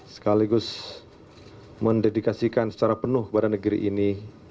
sekaligus mendedikasikan secara penuh pada negeri ini